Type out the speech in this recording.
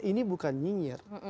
ini bukan nyinyir